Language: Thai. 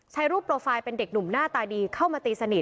ใช้รูปโปรไฟล์เป็นเด็กหนุ่มหน้าตาดีเข้ามาตีสนิท